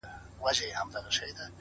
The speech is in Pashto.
ساده ژوند د ذهن سکون دی